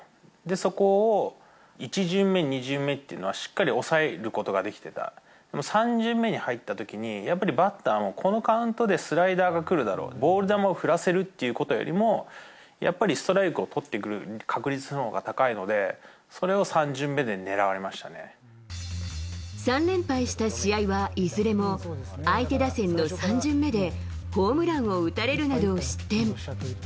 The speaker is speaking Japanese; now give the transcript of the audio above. そこを１巡目、２巡目っていうのは抑えることができてた、でも３巡目に入ったときに、やっぱりバッターもこのカウントでスライダーが来るだろう、ボール球を振らせるっていうことよりも、やっぱりストライクを取ってくる確率のほうが高いので、３連敗した試合はいずれも相手打線の３巡目で、ホームランを打たれるなど失点。